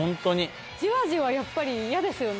じわじわやっぱり嫌ですよね。